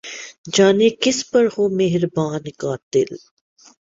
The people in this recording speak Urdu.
جانے کس پر ہو مہرباں قاتل